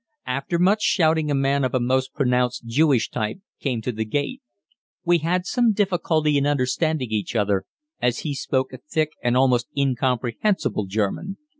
After much shouting a man of a most pronounced Jewish type came to the gate. We had some difficulty in understanding each other, as he spoke a thick and almost incomprehensible German.